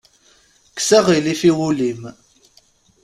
Kkes aɣilif i wul-im.